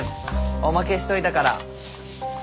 おまけしといたから。